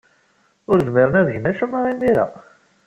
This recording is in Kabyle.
Ur zmiren ad gen acemma imir-a.